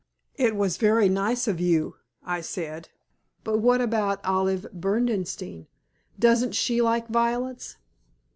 "It was very nice of you," I said; "but what about Olive Berdenstein? Doesn't she like violets?"